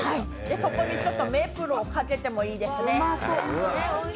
そこにメープルをかけてもいいですね。